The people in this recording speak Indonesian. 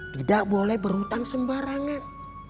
tidak boleh berhutang sembarangan